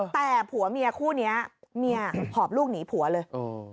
แต่ผัวเมียคู่นี้เมียหอบลูกหนีผัวเลย